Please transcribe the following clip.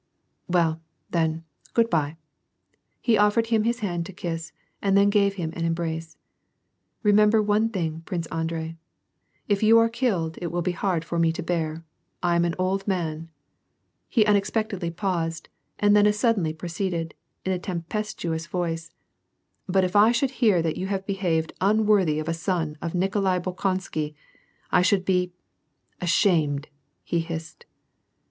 " Well, then, good by." He ofForod him his hand to kiss, and then gave him an embrace. " Remember one thing, Prince Andrei ; if you are killed it will be hard for me to bear ; I am an old man "— He unexpectedly i)aused, and then as sud denly proceeded, in a tempestuous voice: "But if I should hear that you had behaved unworthy of a son of Nikolai Rolkonsky, I should be — ashamed," he hissed.